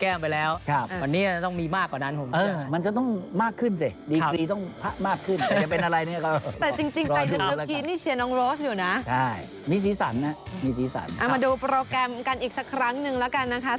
เอามาดูโปรแกรมกันอีกสักครั้งนึงแล้วกันนะคะ